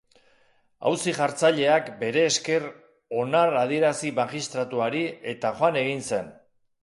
Auzi-jartzaileak bere esker onar adierazi magistratuari, eta joan egin zen.